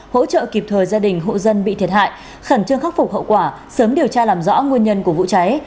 hỗ trợ kịp thời gia đình hộ dân bị thiệt hại khẩn trương khắc phục hậu quả sớm điều tra làm rõ nguyên nhân của vụ cháy